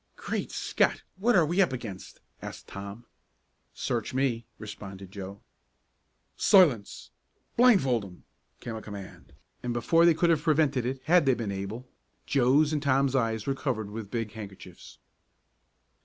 "Great Scott! What are we up against?" asked Tom. "Search me," responded Joe. "Silence! Blindfold 'em!" came a command, and before they could have prevented it, had they been able, Joe's and Tom's eyes were covered with big handkerchiefs.